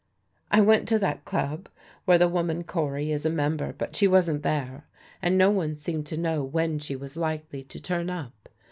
"I went to that club where the woman Cory is a member, but she wasn't there, and no one seemed to know when she was likely to turn up.